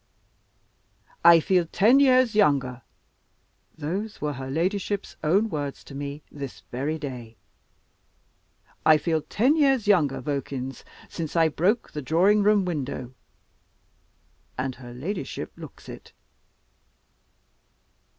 'I feel ten years younger' (those were her ladyship's own words to me, this very day), 'I feel ten years younger, Vokins, since I broke the drawing room window.' And her ladyship looks it!"